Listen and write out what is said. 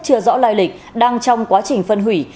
chưa rõ lai lịch đang trong quá trình phân hủy